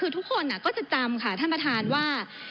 คือทุกคนก็จะจำค่ะท่านประธานว่า